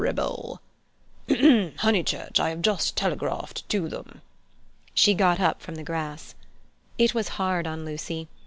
Ahem! Honeychurch, I have just telegraphed to them.'" She got up from the grass. It was hard on Lucy.